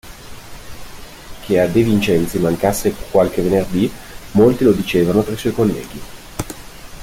Che a De Vincenzi mancasse qualche venerdì, molti lo dicevano tra i suoi colleghi.